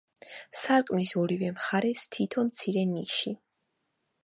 სარკმლის ორივე მხარეს თითო მცირე ნიში.